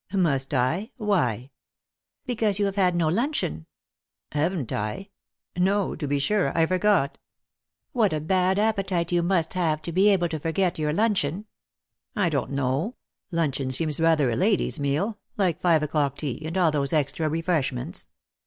"Must I? Why?" " Because you have had no luncheon." " Haven't I ? No, to be sure. I forgot." " What a bad appetite you must have to be able to forget your luncheon !"" I don't know. Luncheon seems rather a lady's meal — like five o'clock tea, and all those extra refreshments.